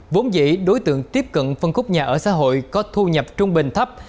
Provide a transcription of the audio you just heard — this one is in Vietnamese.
vốn dĩ đối tượng tiếp cận phân khúc nhà ở xã hội có thu nhập trung bình thấp